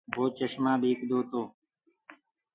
وو چشمآ ٻيڪدو تو۔